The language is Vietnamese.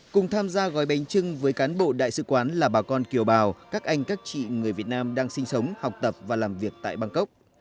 cùng tham gia gói bánh trưng với cán bộ đại sứ quán là bà con kiều bào các anh các chị người việt nam đang sinh sống học tập và làm việc tại bangkok